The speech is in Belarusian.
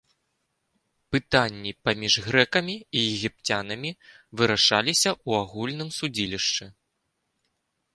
Пытанні паміж грэкамі і егіпцянамі вырашаліся ў агульным судзілішча.